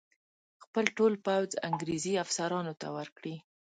خپل ټول پوځ انګرېزي افسرانو ته ورکړي.